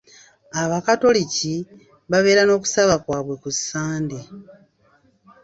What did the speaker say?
Abakatoliki babeera n'okusaba kwaabwe ku Sande.